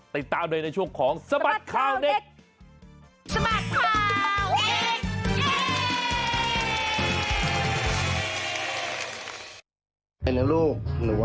ติดตามโดยในช่วงของสมัสคลาวเด็ก